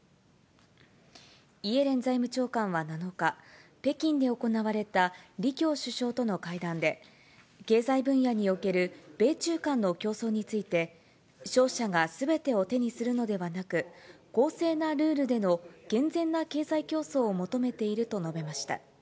イエレン財務長官は７日、北京で行われた李強首相との会談で、経済分野における米中間の競争について、勝者がすべてを手にするのではなく、公正なルールでの健全な経済競争を求めていると述べました。